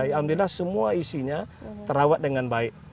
alhamdulillah semua isinya terawat dengan baik